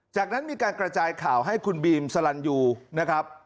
จากนั้นมีการกระจายข่าวให้คุณบีมสลันยูนะครับ